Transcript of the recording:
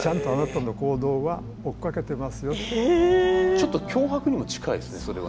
ちょっと脅迫にも近いですねそれはね。